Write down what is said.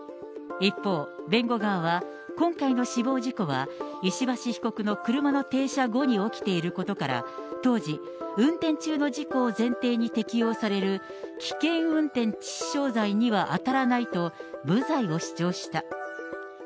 一方、弁護側は今回の死亡事故は石橋被告の車の停車後に起きていることから、当時、運転中の事故を前提に適用される、危険運転致死傷罪には当たらないと、無罪を主張した。